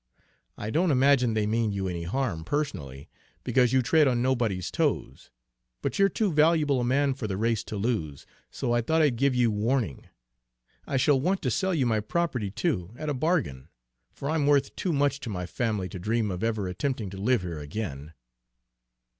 I don't imagine they mean you any harm, personally, because you tread on nobody's toes; but you're too valuable a man for the race to lose, so I thought I'd give you warning. I shall want to sell you my property, too, at a bargain. For I'm worth too much to my family to dream of ever attempting to live here again."